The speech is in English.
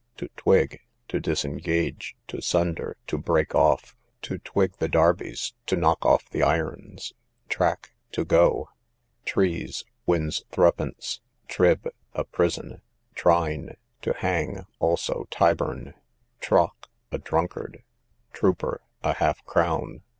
To twig, to disengage, to sunder, to break off. To twig the darbies, to knock of the irons. Track, to go. Trees, wins threepence. Trib, a prison. Trine, to hang, also Tyburn. Troch, a drunkard. Trooper, a half crown.